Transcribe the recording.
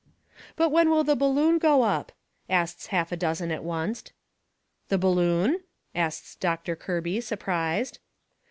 "But when will the balloon go up?" asts half a dozen at oncet. "The balloon?" asts Doctor Kirby, surprised.